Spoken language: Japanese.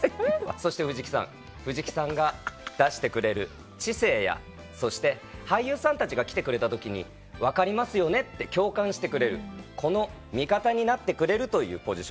そして藤木さん藤木さんが出してくれる知性やそして俳優さんたちが来てくれた時に分かりますよねって共感してくれるこの味方になってくれるというポジショニング。